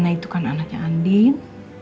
pena itu kan anaknya anding